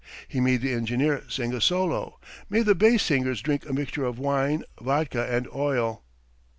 He made the engineer sing a solo, made the bass singers drink a mixture of wine, vodka, and oil.